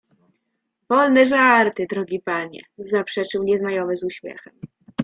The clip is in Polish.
"Wolne żarty, drogi panie!— zaprzeczył nieznajomy z uśmiechem."